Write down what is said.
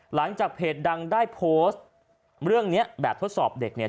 หลังจากเพจดังได้โพสต์เรื่องนี้แบบทดสอบเด็กเนี่ย